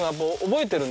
覚えてる？